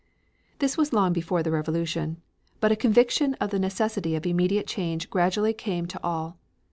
This was long before the revolution. But a conviction of the necessity of immediate change gradually came to all.